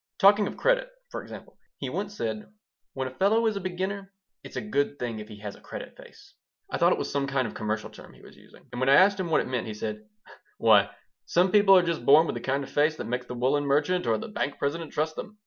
Talking of credit, for example, he once said: "When a fellow is a beginner it's a good thing if he has a credit face." I thought it was some sort of commercial term he was using, and when I asked him what it meant he said: "Why, some people are just born with the kind of face that makes the woolen merchant or the bank president trust them.